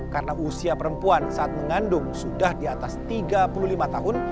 karena usia perempuan saat mengandung sudah di atas tiga puluh lima tahun